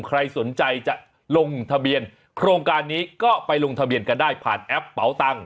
ใครสนใจจะลงทะเบียนโครงการนี้ก็ไปลงทะเบียนกันได้ผ่านแอปเป๋าตังค